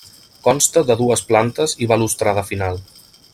Consta de dues plantes i balustrada final.